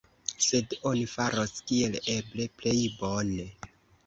Sed oni faros kiel eble plej bone.